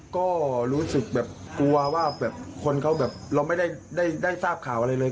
ก็รู้สึกแบบกลัวว่าแบบคนเขาแบบเราไม่ได้ทราบข่าวอะไรเลย